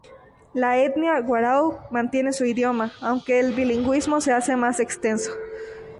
La etnia warao mantiene su idioma, aunque el bilingüismo se hace más extenso.